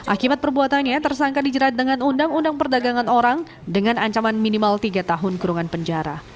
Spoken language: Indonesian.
akibat perbuatannya tersangka dijerat dengan undang undang perdagangan orang dengan ancaman minimal tiga tahun kurungan penjara